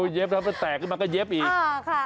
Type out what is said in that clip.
เย็บแล้วมันแตกขึ้นมาก็เย็บอีก